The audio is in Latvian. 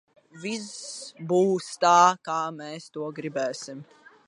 Viss būs tā, kā mēs to gribēsim!